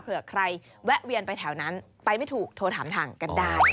เผื่อใครแวะเวียนไปแถวนั้นไปไม่ถูกโทรถามทางกันได้